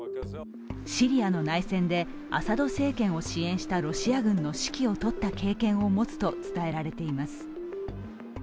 シリアの内戦でアサド政権を支援したロシア軍の指揮を執った経験を持つと伝えられています。